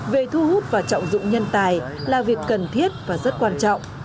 về thu hút và trọng dụng nhân tài là việc cần thiết và rất quan trọng